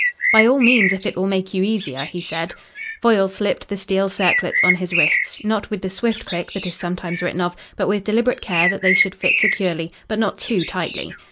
"By all means, if it will make you easier," he said. Foyle slipped the steel circlets on his wrists, not with the swift click that is sometimes written of, but with deliberate care that they should fit securely, but not too tightly.